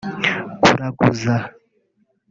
kuraguza